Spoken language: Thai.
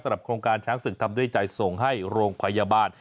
โครงการช้างศึกทำด้วยใจส่งให้โรงพยาบาล